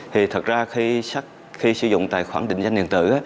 thì thật ra khi sử dụng tài khoản định danh điện tử